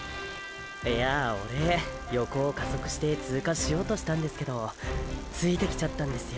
いやぁオレ横を加速して通過しようとしたんですけどついてきちゃったんですよ